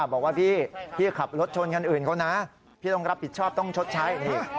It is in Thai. บอกว่าพี่พี่ขับรถชนคันอื่นเขานะพี่ต้องรับผิดชอบต้องชดใช้นี่